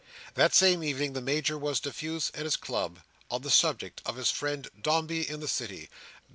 That same evening the Major was diffuse at his club, on the subject of his friend Dombey in the City.